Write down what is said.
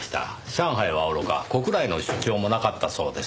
上海はおろか国内の出張もなかったそうです。